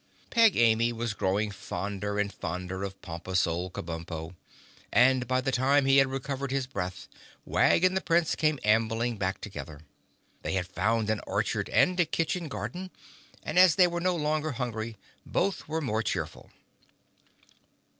Peg Amy was growing fonder and fonder of pompous old Kabumpo and by the time he had recovered his breath Wag and the Prince came ambling back together. They had found an orchard and a kitchen garden and as they were no longer hungry, both were more cheerful.